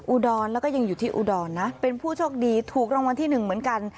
อุดรแล้วก็ยังอยู่ที่อุดรนะเป็นผู้โชคดีถูกรางวัลที่หนึ่งเหมือนกัน